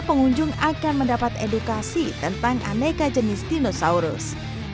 pengunjung akan mendapat edukasi tentang aneka jenis dinosaurus